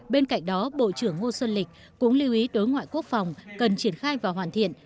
bên cạnh đó bộ trưởng ngô xuân lịch cũng lưu ý đối ngoại quốc phòng cần triển khai và hoàn thiện